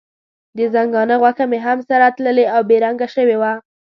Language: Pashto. د ځنګانه غوښه مې هم سره تللې او بې رنګه شوې وه.